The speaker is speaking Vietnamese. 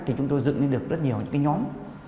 thì chúng tôi dựng lên được rất nhiều những cái nhóm